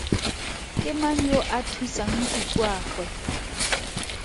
Ke mang yo a thusang nkokoagwe?